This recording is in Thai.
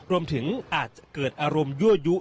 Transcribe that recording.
รวมถึงอาจจะเกิดอารมณ์ยั่วยุ